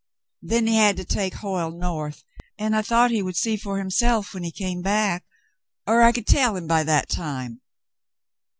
Then he had to take Hoyle North, and I thought he would see for himself when he came back — or I could tell him by that time.